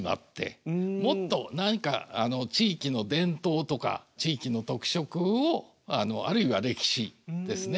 もっと何か地域の伝統とか地域の特色をあるいは歴史ですね。